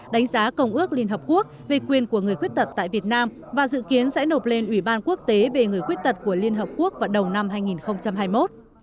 đánh giá công ước liên hợp quốc về quyền của người khuyết tật tại việt nam và dự kiến sẽ nộp lên ủy ban quốc tế về người khuyết tật của liên hợp quốc vào đầu năm hai nghìn hai mươi một